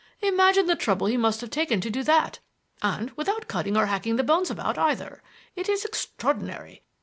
Imagine the trouble he must have taken to do that, and without cutting or hacking the bones about, either. It is extraordinary.